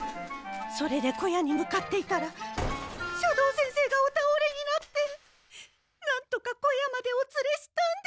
それで小屋に向かっていたら斜堂先生がおたおれになってなんとか小屋までおつれしたんですけど。